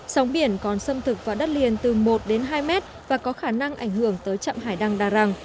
sóng biển còn xâm thực vào đất liền từ một đến hai mét và có khả năng ảnh hưởng tới trạm hải đăng đà răng